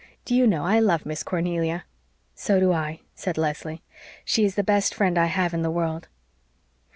Do you know, I love Miss Cornelia." "So do I," said Leslie. "She is the best friend I have in the world."